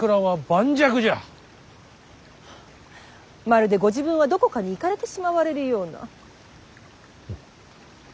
まるでご自分はどこかに行かれてしまわれるような。